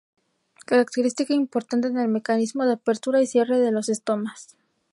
Característica importante en el mecanismo de apertura y cierre de los estomas.